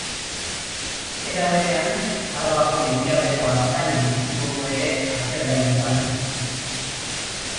Era berean, Arabako Mendialdeko artzainen bizimodua ere aztergai izan du.